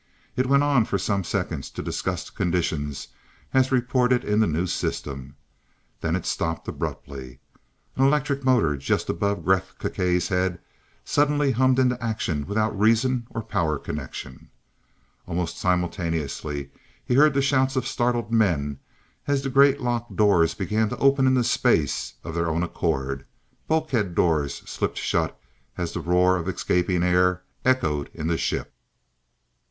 It went on for some seconds to discuss the conditions as reported in the new system. Then it stopped abruptly. An electric motor just above Gresth Gkae's head suddenly hummed into action without reason or power connection. Almost simultaneously he heard the shouts of startled men as the great lock doors began to open into space of their own accord, bulkhead doors slipped shut as the roar of escaping air echoed in the ship.